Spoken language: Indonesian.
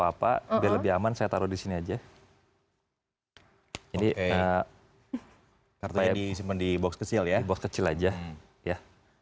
apa biar lebih aman saya taruh di sini aja ini karena disimpan di box kecil ya box kecil aja ya